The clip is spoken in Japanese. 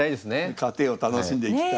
過程を楽しんでいきたい。